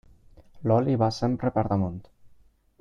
L'oli va sempre per damunt.